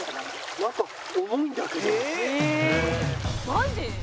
「マジ！？」